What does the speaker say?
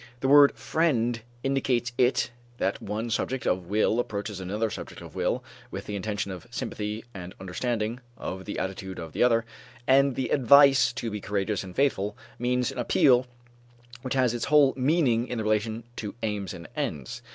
The word friend indicates it, that one subject of will approaches another subject of will, with the intention of sympathy and understanding of the attitude of the other; and the advice to be courageous and faithful means an appeal which has its whole meaning in the relation to aims and ends.